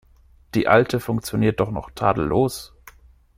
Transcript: Die alte funktioniert doch noch tadellos.